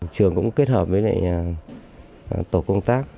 trường cũng kết hợp với tổ công tác